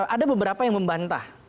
ada beberapa yang membantah